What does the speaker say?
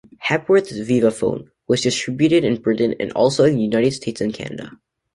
Hepworth's vivaphone was distributed in Britain and also in the United States and Canada.